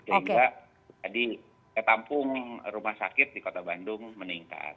sehingga di tampung rumah sakit di kota bandung meningkat